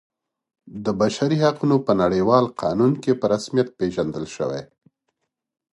د بشري حقونو په نړیوال قانون کې په رسمیت پیژندل شوی.